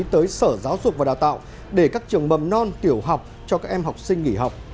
tới sở giáo dục và đào tạo để các trường mầm non tiểu học cho các em học sinh nghỉ học